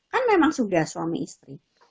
kan memang sudah suami istri